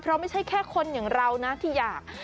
เพราะไม่ใช่แค่คนอย่างเรานะที่อยาก